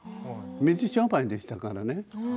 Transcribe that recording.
水商売でしたからね。